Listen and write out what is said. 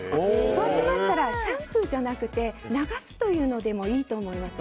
そうしましたらシャンプーじゃなくて流すというのでもいいと思います。